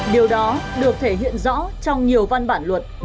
điều đó được thể hiện rõ trong nhiều văn bản luật